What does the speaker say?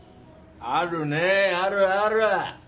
あるねぇあるある！